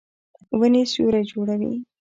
ونې سیوری جوړوي